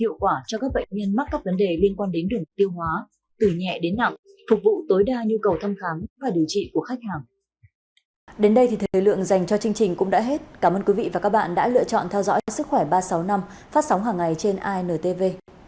hiệu quả cho các bệnh viên mắc cấp vấn đề liên quan đến đường tiêu hóa từ nhẹ đến nặng phục vụ tối đa nhu cầu thăm khám và điều trị của khách hàng